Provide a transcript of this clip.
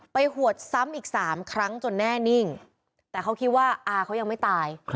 หวดซ้ำอีก๓ครั้งจนแน่นิ่งแต่เขาคิดว่าอาเขายังไม่ตาย